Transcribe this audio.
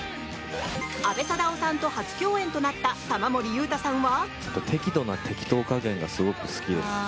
阿部サダヲさんと初共演となった玉森裕太さんは。